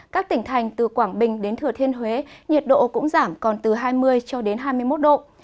các tỉnh thành từ quảng bình đến thừa thiên huế nhiệt độ cũng giảm còn từ hai mươi cho đến hai mươi một độ